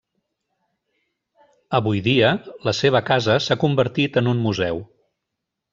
Avui dia, la seva casa s'ha convertit en un Museu.